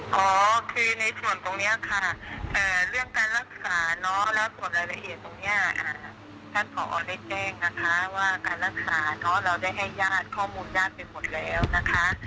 ขอคือในส่วนตรงนี้ค่ะเรื่องการรักษาเนอะแล้วส่วนรายละเอียดตรงนี้ท่านผอได้แจ้งนะคะว่าการรักษาเนอะเราได้ให้ญาติข้อมูลด้านไปหมดแล้วนะคะ